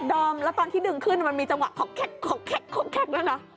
ดอมแล้วตอนที่ดึงขึ้นมันมีจังหวะขอกแข็งแล้วหรอ